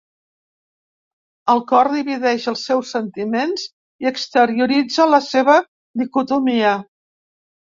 El cor divideix els seus sentiments i exterioritza la seva dicotomia.